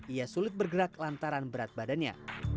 ia sulit bergerak lantaran berat badannya